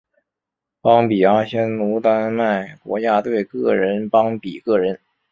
邦比阿仙奴丹麦国家队个人邦比个人